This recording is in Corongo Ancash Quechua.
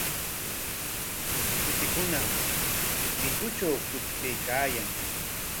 Kuchikuna mitutraw qutrpaykaayan.